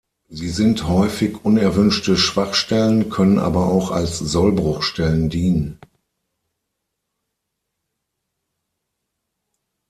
Sie sind häufig unerwünschte Schwachstellen, können aber auch als Sollbruchstellen dienen.